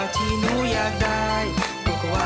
เตรียมตัวครับ